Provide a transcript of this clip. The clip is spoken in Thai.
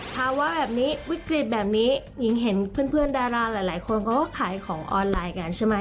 ภาวะแบบนี้วิกฤตแบบนี้หญิงเห็นเพื่อนดาราหลายคนเขาก็ขายของออนไลน์กันใช่ไหม